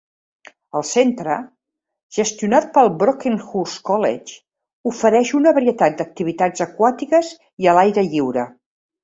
El centre, gestionat pel Brockenhurst College, ofereix una varietat d'activitats aquàtiques i a l'aire lliure.